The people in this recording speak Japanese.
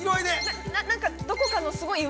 なんかどこかのすごい岩。